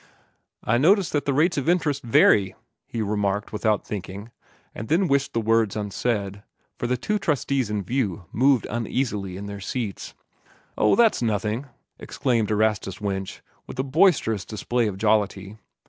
"I notice that the rates of interest vary," he remarked without thinking, and then wished the words unsaid, for the two trustees in view moved uneasily on their seats. "Oh, that's nothing," exclaimed Erastus Winch, with a boisterous display of jollity.